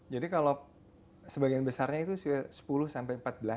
jadi kalau sebagian besarnya itu sudah sepuluh sampai empat belas ya